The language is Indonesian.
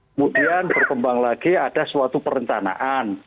kemudian berkembang lagi ada suatu perencanaan